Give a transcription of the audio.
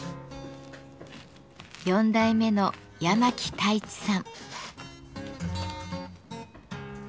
４代目の八巻太一さん。